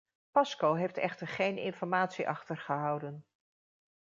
Pasko heeft echter geen informatie achtergehouden.